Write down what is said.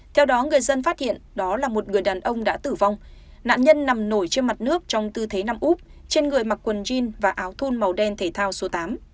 theo đó người dân phát hiện đó là một người đàn ông đã tử vong nạn nhân nằm nổi trên mặt nước trong tư thế nằm úp trên người mặc quần jean và áo thun màu đen thể thao số tám